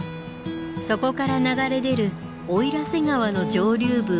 そこから流れ出る奥入瀬川の上流部